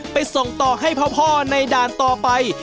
ส่งต่อให้พ่อในด่านต่อไป